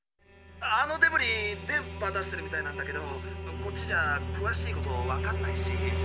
あのデブリ電波出してるみたいなんだけどこっちじゃくわしいことわかんないし。